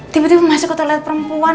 tiba tiba masuk ke toilet perempuan